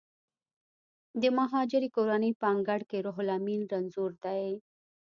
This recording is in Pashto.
د مهاجرې کورنۍ په انګړ کې روح لامین رنځور دی